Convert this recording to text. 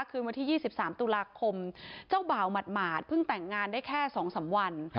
คืนวันที่๒๓ตุลาคมเจ้าบ่าวหมาดเพิ่งแต่งงานได้แค่๒๓วัน